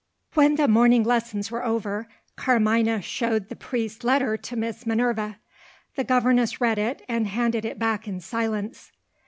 When the morning lessons were over, Carmina showed the priest's letter to Miss Minerva. The governess read it, and handed it back in silence.